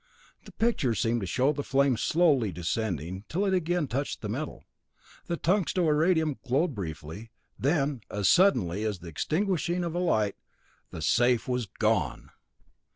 The pictures seemed to show the flame slowly descending till it again touched the metal. The tungsto iridium glowed briefly; then, as suddenly as the extinguishing of a light, the safe was gone!